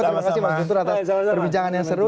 terima kasih mas guntur atas perbincangan yang seru